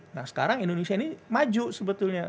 nah sekarang indonesia ini maju sebetulnya